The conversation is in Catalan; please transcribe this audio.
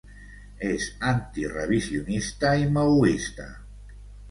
És antirevisionista i maoista.